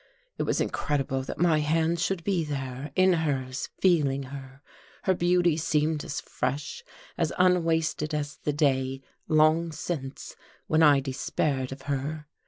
It was incredible that my hands should be there, in hers, feeling her. Her beauty seemed as fresh, as un wasted as the day, long since, when I despaired of her.